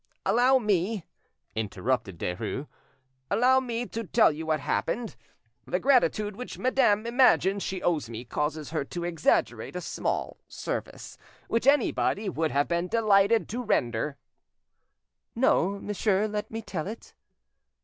"Allow me," interrupted Derues, "allow me to tell you what happened. The gratitude which madame imagines she owes me causes her to exaggerate a small service which anybody would have been delighted to render." "No, monsieur; let me tell it."